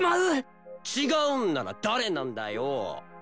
違うんなら誰なんだよ。